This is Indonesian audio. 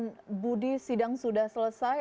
kemudian budi sidang sudah selesai